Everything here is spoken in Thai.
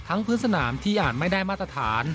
พื้นสนามที่อาจไม่ได้มาตรฐาน